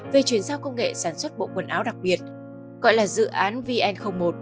về chuyển giao công nghệ sản xuất bộ quần áo đặc biệt gọi là dự án vn một